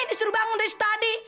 disuruh bangun dari setadi